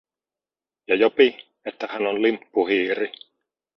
Ja Jopi, että hän on limppuhiiri.